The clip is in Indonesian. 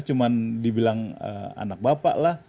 cuma dibilang anak bapak lah